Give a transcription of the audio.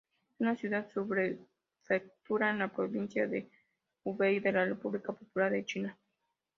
Es una ciudad-subprefectura en la provincia de Hubei de la República Popular de China.